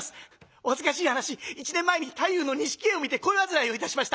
お恥ずかしい話一年前に太夫の錦絵を見て恋煩いをいたしました。